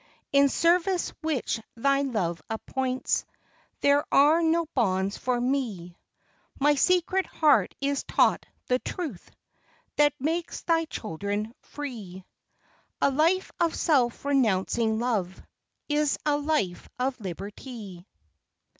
In service which Thy love appoints There are no bonds for me; My secret heart is taught " the truth," That makes Thy children " free; " A life of self renouncing love Is a life of liberty.